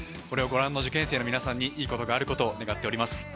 これを御覧の受験生の皆さんにいいことがあることを願っております。